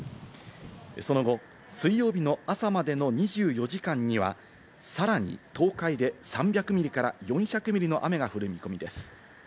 その後、水曜日の朝までの２４時間にはさらに東海で３００ミリから４００ミリの雨が降る見込みです。